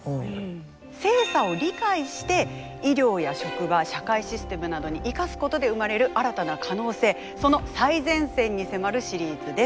性差を理解して医療や職場社会システムなどに生かすことで生まれる新たな可能性その最前線に迫るシリーズです。